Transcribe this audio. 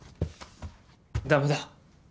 ダメだ。